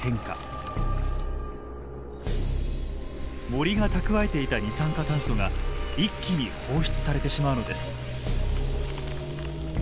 森が蓄えていた二酸化炭素が一気に放出されてしまうのです。